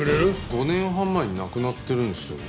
５年半前に亡くなってるんですよね。